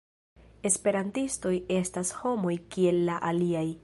Esperantistoj estas homoj kiel la aliaj.